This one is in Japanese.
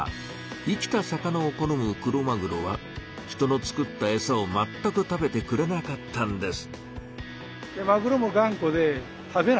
生きた魚を好むクロマグロは人の作ったエサをまったく食べてくれなかったんです。